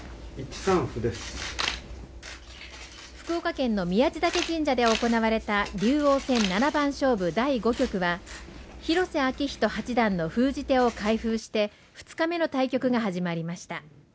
福岡県の宮地嶽神社で行われた竜王戦七番勝負第５局は広瀬章人八段の封じ手を開封して、２日目の対局が始まりました。